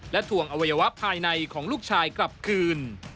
และทวงอวัยวะภายในของลูกชายกลับคืน